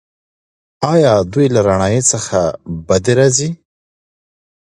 ایا دوی له رڼایي څخه بدې راځي؟